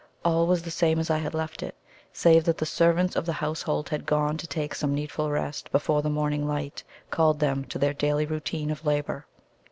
All was the same as I had left it, save that the servants of the household had gone to take some needful rest before the morning light called them to their daily routine of labour.